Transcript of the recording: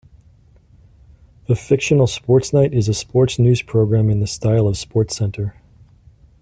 The fictional "Sports Night" is a sports news program in the style of "SportsCenter".